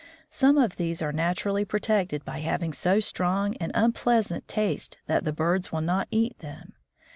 Some of these are naturally protected by having so strong and unpleasant taste that the birds will not eat them.